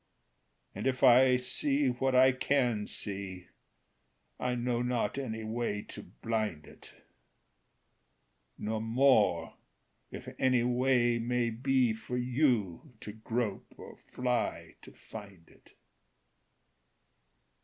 And if I see what I can see, I know not any way to blind it; Nor more if any way may be For you to grope or fly to find it.